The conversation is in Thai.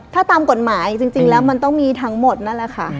ถ้าตามกฎหมายจริงแล้วมันต้องมีทั้งหมดนั่นแหละค่ะ